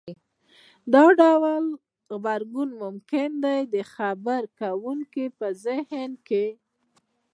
دا ډول غبرګون ممکن د خبرې کوونکي په زهن کې